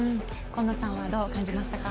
今野さんはどう感じましたか？